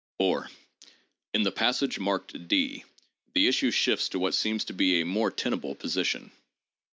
4. In the passage marked (d) the issue shifts to what seems to me a more tenable position.